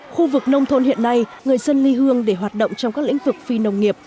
khu vực nông thôn hiện nay người dân ly hương để hoạt động trong các lĩnh vực phi nông nghiệp